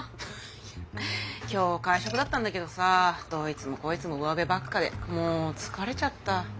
いや今日会食だったんだけどさどいつもこいつもうわべばっかでもう疲れちゃった。